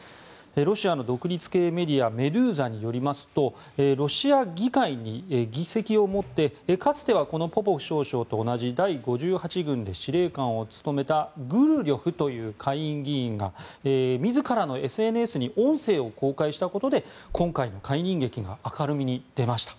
ロシアの独立系メディアメドゥーザによりますとロシア議会に議席を持ってかつてはポポフ少将と同じ第５８軍で司令官を務めたグルリョフという下院議員が自らのＳＮＳに音声を公開したことで今回の解任劇が明るみに出ました。